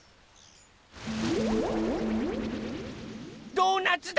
ドーナツだ！